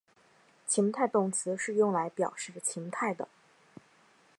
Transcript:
情态动词是用来表示情态的。